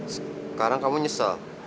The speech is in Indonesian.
sekarang kamu nyesel